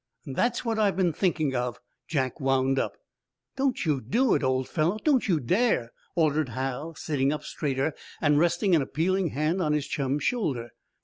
"That's what I've been thinking of," Jack wound up. "Don't you do it, old fellow don't you dare!" ordered Hal, sitting up straighter and resting an appealing hand on his chum's shoulder.